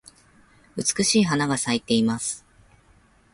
美しい花が咲いています。